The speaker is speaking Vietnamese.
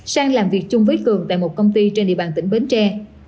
sang làm việc chung với cường tại một công ty trên địa bàn tỉnh bến tre